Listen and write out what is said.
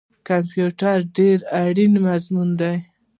کمپیوټر ډیر اړین مضمون دی